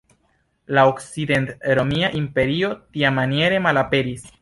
La Okcident-Romia Imperio tiamaniere malaperis.